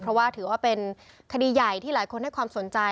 เพราะว่าถือว่าเป็นคดีใหญ่ที่หลายคนให้ความสนใจ